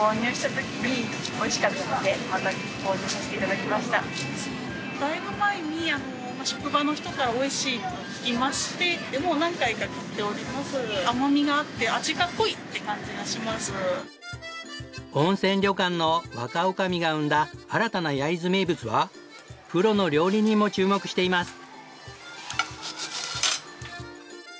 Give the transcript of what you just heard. だいぶ前に温泉旅館の若女将が生んだ新たな焼津名物はプロの料理人も注目しています。